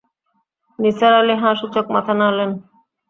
নিসার আলি হাঁ-সূচক মাথা নাড়লেন।